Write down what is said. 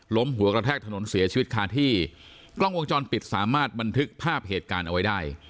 หัวกระแทกถนนเสียชีวิตคาที่กล้องวงจรปิดสามารถบันทึกภาพเหตุการณ์เอาไว้ได้